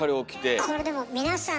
これでも皆さん